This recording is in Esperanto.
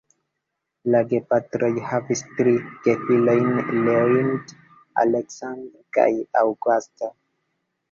La gepatroj havis tri gefilojn: Leonid, "Aleksandr" kaj "Aŭgusta".